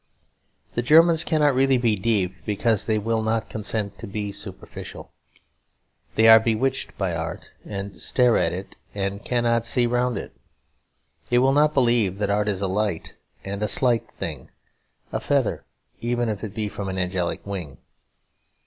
The Germans cannot really be deep because they will not consent to be superficial. They are bewitched by art, and stare at it, and cannot see round it. They will not believe that art is a light and slight thing a feather, even if it be from an angelic wing.